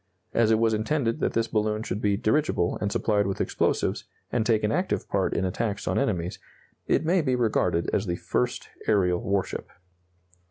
As it was intended that this balloon should be dirigible and supplied with explosives, and take an active part in attacks on enemies, it may be regarded as the first aerial warship.